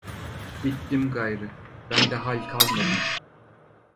Bittim gayrı, bende hal kalmadı.